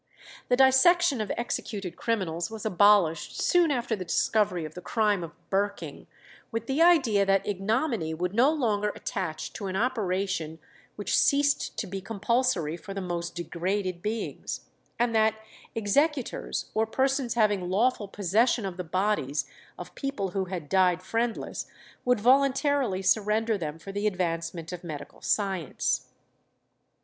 " The dissection of executed criminals was abolished soon after the discovery of the crime of burking, with the idea that ignominy would no longer attach to an operation which ceased to be compulsory for the most degraded beings; and that executors or persons having lawful possession of the bodies of people who had died friendless, would voluntarily surrender them for the advancement of medical science.